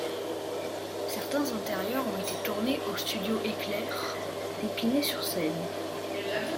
Certains intérieurs ont été tournés aux Studios Éclair d'Épinay-sur-Seine.